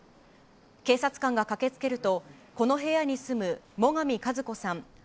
警察官が駆けつけると、この部屋に住む最上和子さん